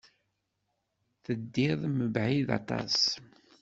Teddiḍ mebɛid aṭas.